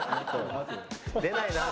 出ないな